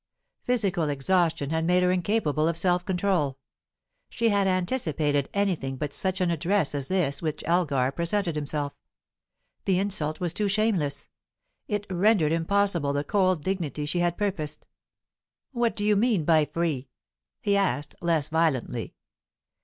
Physical exhaustion had made her incapable of self control. She had anticipated anything but such an address as this with which Elgar presented himself. The insult was too shameless; it rendered impossible the cold dignity she had purposed. "What do you mean by 'free'?" he asked, less violently.